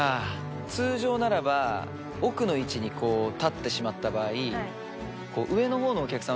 通常ならば奥の位置に立ってしまった場合。